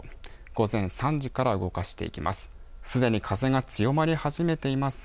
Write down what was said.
午前３時から動かしていきます。